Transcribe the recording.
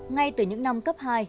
ngay từ những năm cấp hai